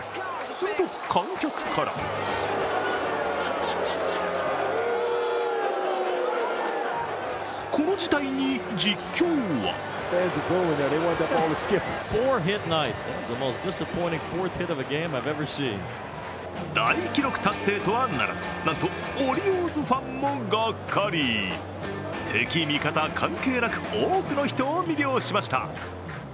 すると観客からこの事態に実況は大記録達成とはならず、なんとオリオールズファンもがっかり。敵味方関係なく多くの人を魅了しました。